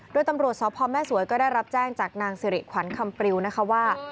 โดยตำรวจสพแม่สวยก็ได้รับแจ้งจากนางสิริขวัญคำปริวนะคะว่า